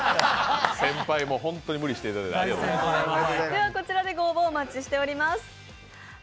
先輩もホントに無理していただいてありがとうございました。